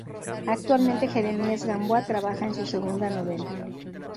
Actualmente, Jeremías Gamboa trabaja en su segunda novela.